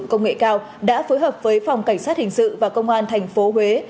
công an tp hcm đã phối hợp với phòng cảnh sát hình sự và công an tp hcm